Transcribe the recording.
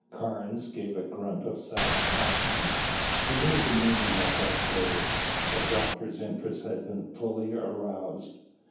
Carnes gave a grunt of satisfaction. He knew the meaning of that glitter. The Doctor's interest had been fully aroused.